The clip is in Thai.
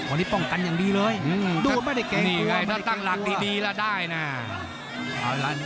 อันนี้ป้องกันอย่างดีเลยนี่ไงถ้าตั้งหลักดีแล้วได้นะ